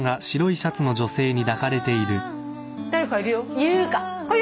誰かいるよ？